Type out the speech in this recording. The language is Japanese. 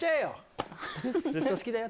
「ずっと好きだよ」